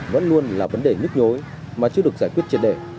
vẫn luôn là vấn đề nức nhối mà chưa được giải quyết triệt để